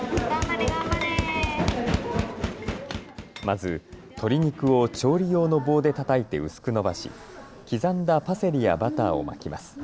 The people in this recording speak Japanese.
まず鶏肉を調理用の棒でたたいて薄く伸ばし、刻んだパセリやバターを巻きます。